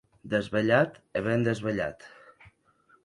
Desvelhat e ben desvelhat.